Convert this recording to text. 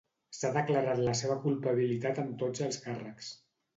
S'ha declarat la seva culpabilitat en tots els càrrecs.